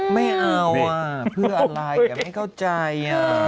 ไม่เอาอ่ะเพื่ออะไรอย่าไม่เข้าใจอ่ะ